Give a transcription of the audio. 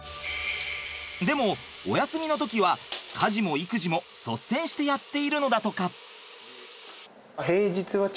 でもお休みの時は家事も育児も率先してやっているのだとか。